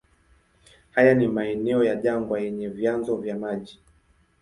Haya ni maeneo ya jangwa yenye vyanzo vya maji.